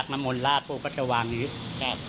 น้ำมนราชปูก็จะวางอย่างนี้